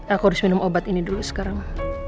aku harus minum obat ini dulu sekarang